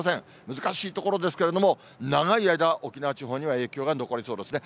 難しいところですけれども、長い間、沖縄地方には影響が残りそうですね。